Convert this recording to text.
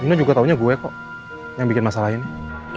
ina juga taunya gue kok yang bikin masalah ini